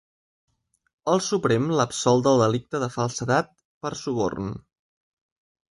El Suprem l’absol del delicte de falsedat per suborn.